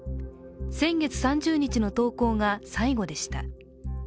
先月３０日の投稿が最後でした。